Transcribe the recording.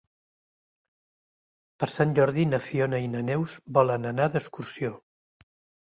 Per Sant Jordi na Fiona i na Neus volen anar d'excursió.